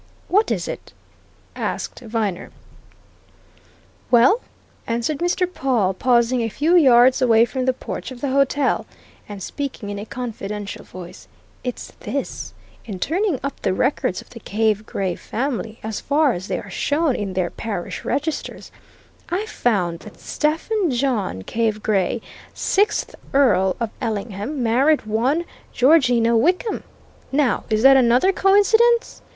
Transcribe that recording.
"What is it?" asked Viner. "Well," answered Mr. Pawle pausing a few yards away from the porch of the hotel, and speaking in a confidential voice, "it's this: In turning up the records of the Cave Gray family, as far as they are shown in their parish registers, I found that Stephen John Cave Gray, sixth Earl of Ellingham, married one Georgina Wickham. Now, is that another coincidence?